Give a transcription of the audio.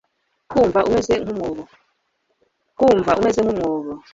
kumva umeze nk'umwobo